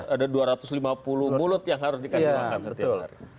ada dua ratus lima puluh mulut yang harus dikasih makan setiap hari